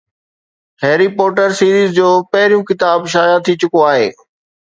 هيري Potter series جو پهريون ڪتاب شايع ٿي چڪو آهي